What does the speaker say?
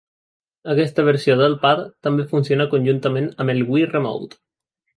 Aquesta versió del pad també funciona conjuntament amb el Wii Remote.